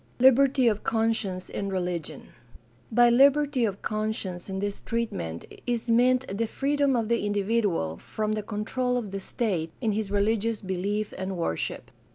Liberty of conscience in religion. — By liberty of conscience in this treatment is meant the freedom of the individual from the control of the state in his religious belief and worship.